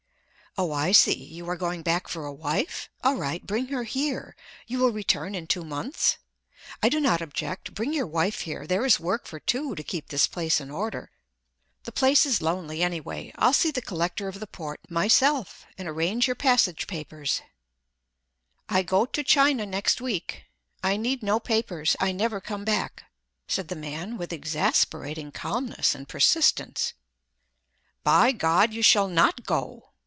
"Oh, I see! You are going back for a wife? All right, bring her here—you will return in two months? I do not object; bring your wife here—there is work for two to keep this place in order. The place is lonely, anyway. I'll see the Collector of the Port, myself, and arrange your passage papers." "I go to China next week: I need no papers—I never come back," said the man with exasperating calmness and persistence. "By God, you shall not go!"